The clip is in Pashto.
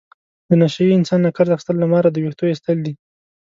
د نشه یي انسان نه قرض اخستل له ماره د وېښتو ایستل دي.